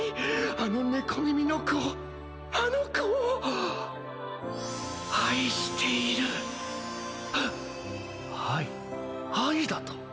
あの猫耳の子あの子を愛している愛愛だと？